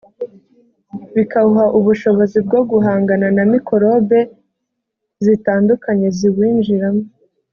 bikawuha ubushobozi bwo guhangana na mikorobe zitandukanye ziwinjiramo